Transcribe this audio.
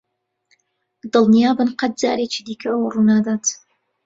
دڵنیابن قەت جارێکی دیکە ئەوە ڕوونادات.